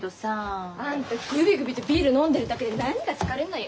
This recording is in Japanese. あんたグビグビとビール飲んでるだけで何が疲れんのよ。